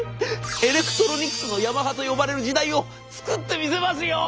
エレクトロニクスのヤマハと呼ばれる時代を作ってみせますよ！」。